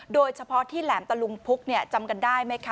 โดยเฉพาะที่แหลมตะลุงพุกจำกันได้ไหมคะ